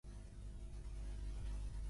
Així, va néixer Nite-Wing.